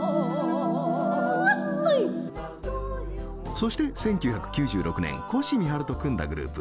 そして１９９６年コシミハルと組んだグループ